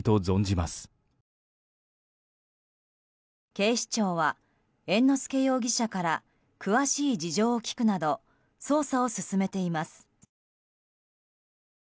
警視庁は、猿之助容疑者から詳しい事情を聞くなど捜査を進めています。